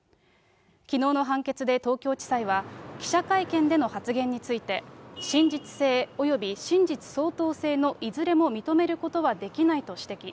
きのうの判決で東京地裁は、記者会見での発言について、真実性および真実相当性のいずれも認めることはできないと指摘。